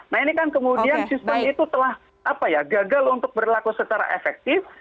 nah ini kan kemudian sistem itu telah gagal untuk berlaku secara efektif